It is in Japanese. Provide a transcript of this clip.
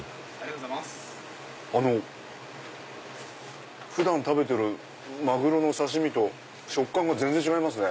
やっぱり普段食べてるマグロの刺し身と食感が全然違いますね。